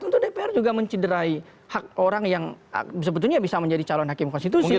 tentu dpr juga mencederai hak orang yang sebetulnya bisa menjadi calon hakim konstitusi